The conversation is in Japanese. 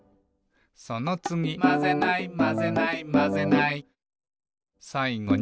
「そのつぎ」「『まぜない』『まぜない』『まぜない』」「さいごに」